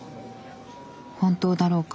本当だろうか？」。